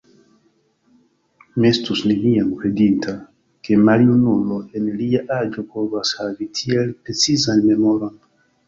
Mi estus neniam kredinta, ke maljunulo en lia aĝo povas havi tiel precizan memoron.